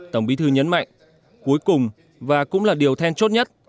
tổng bí thư nhấn mạnh cuối cùng và cũng là điều then chốt nhất